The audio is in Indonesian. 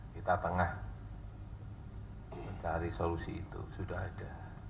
kita tengah mencari solusi itu sudah ada